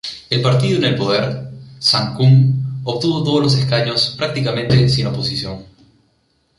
El partido en el poder, Sangkum, obtuvo todos los escaños prácticamente sin oposición.